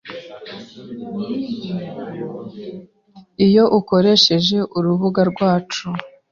Iyo ukoresheje urubuga rwacu